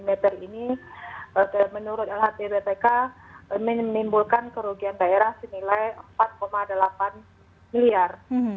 pansus menurut lhtbpk menimbulkan kerugian daerah senilai rp empat delapan miliar